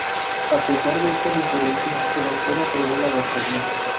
A pesar de esta diferencia el autor aprobó la adaptación.